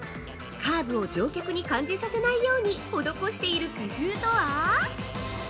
カーブを乗客に感じさせないように施している工夫とは？